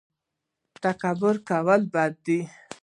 تکبر کول بد دي